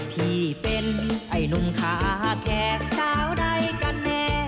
พี่เป็นไอ้นุ่มค้าแขกเช้าได้กันแม่